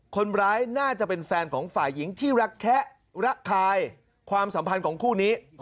คนร้ายน่าจะเป็นแฟนของฝ่ายหญิงที่รักแคะระคายความสัมพันธ์ของคู่นี้